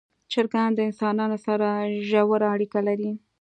چرګان د انسانانو سره ژوره اړیکه لري.